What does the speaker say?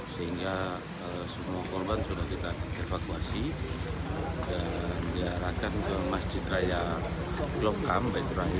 sehingga semua korban sudah kita evakuasi dan diarahkan ke masjid raya klofkam baiturahi